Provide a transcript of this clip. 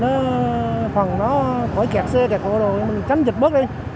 nó phần nó khỏi kẹt xe kẹt cụa đồ mình tránh dịch bớt đi